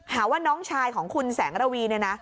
หาว่าน้องชายของคุณแสงระวี